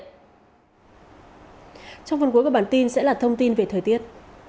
trong phần cuối của bản tin sẽ là thông tin về thời tiết